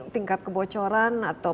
tingkat kebocoran atau